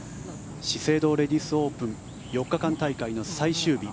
資生堂レディスオープン４日間大会の最終日。